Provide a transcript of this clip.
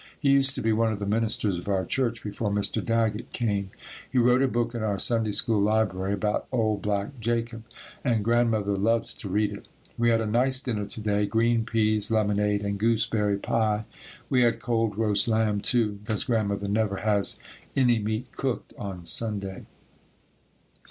He used to be one of the ministers of our church before Mr. Daggett came. He wrote a book in our Sunday School library, about Old Black Jacob, and Grandmother loves to read it. We had a nice dinner to day, green peas, lemonade and gooseberry pie. We had cold roast lamb too, because Grandmother never has any meat cooked on Sunday.